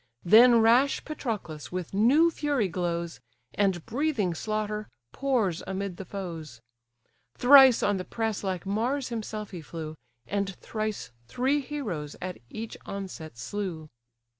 Then rash Patroclus with new fury glows, And breathing slaughter, pours amid the foes. Thrice on the press like Mars himself he flew, And thrice three heroes at each onset slew.